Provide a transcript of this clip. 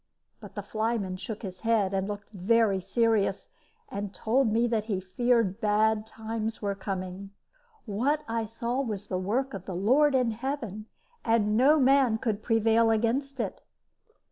But the flyman shook his head, and looked very serious, and told me that he feared bad times were coming. What I saw was the work of the Lord in heaven, and no man could prevail against it.